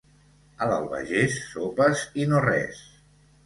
A l'Albagés, sopes i no res.